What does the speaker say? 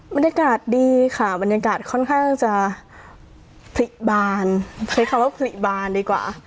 บรรยากาศดีค่ะบรรยากาศค่อนข้างจะพลิกบานใช้คำว่าผลิบานดีกว่า